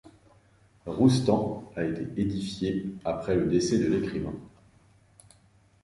Roustan, a été édifiée après le décès de l'écrivain.